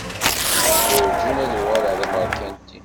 Werjin ad uɣaleɣ d amerkanti.